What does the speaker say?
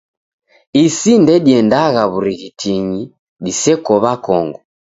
Isi ndediendagha w'urighitingi diseko w'akongo.